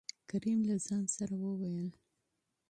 کريم : له ځان سره يې ووېل: